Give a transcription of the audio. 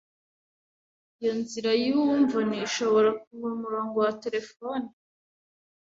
Iyi nzira y’uwumvane ishoora kua umurongo wa terefone